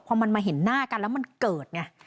พอมันมาเห็นหน้ากันแล้วมันเกิดไง